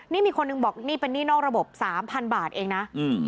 นี่มีคนหนึ่งบอกนี่เป็นนี่นอกระบบสามพันบาทเองนะอืม